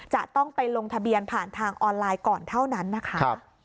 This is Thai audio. จะต้องไปลงทะเบียนผ่านทางออนไลน์ก่อนเท่านั้นนะคะ